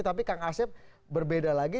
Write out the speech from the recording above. tapi kang asep berbeda lagi